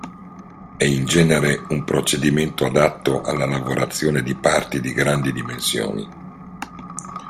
È in genere un procedimento adatto alla lavorazione di parti di grandi dimensioni.